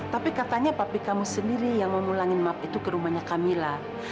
tapi katanya papi kamu sendiri yang mau mulungin map itu ke rumahnya kamilah